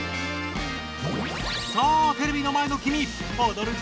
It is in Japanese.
さあテレビの前のきみ！